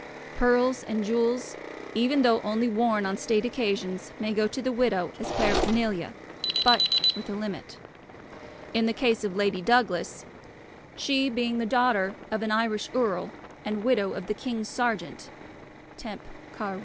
Pearls and jewels, even though only worn on state occasions, may go to the widow as paraphernalia, but with a limit. In the case of Lady Douglas, she being the daughter of an Irish Earl and widow of the King's Sergeant (temp. Car. I.)